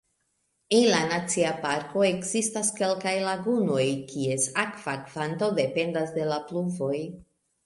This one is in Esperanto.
En la nacia parko ekzistas kelkaj lagunoj, kies akva kvanto dependas de la pluvoj.